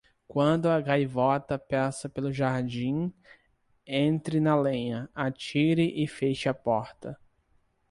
Quando a gaivota passa pelo jardim, entre na lenha, atire e feche a porta.